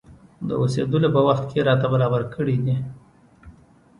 د اوسېدلو په وخت کې راته برابر کړي دي.